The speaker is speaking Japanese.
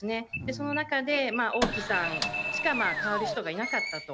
その中で王毅さんしか代わる人がいなかったと。